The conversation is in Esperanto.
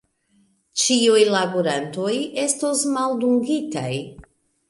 Ĉiuj laborantoj estos maldungitaj.